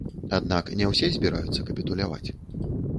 Аднак не ўсе збіраюцца капітуляваць.